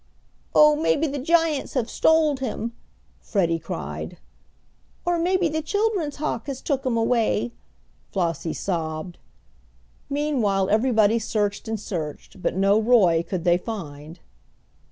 "Oh, maybe the giants have stoled him!" Freddie cried. "Or maybe the children's hawk has took him away," Flossie sobbed. Meanwhile everybody searched and searched, but no Roy could they find.